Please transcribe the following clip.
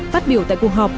phát biểu tại cuộc họp